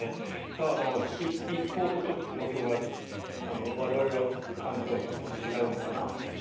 玉川さん、一報とちょっと我々が感じたのとはちょっと違うのかなという。